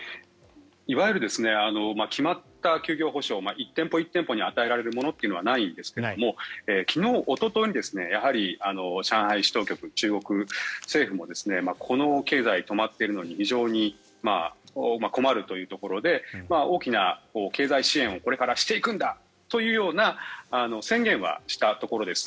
いわゆる決まった休業補償１店舗１店舗に与えられるものはないんですが昨日おとといに上海市当局中国政府も経済が止まっているのは非常に困るというところで大きな経済支援をこれからしていくんだというような宣言はしたところです。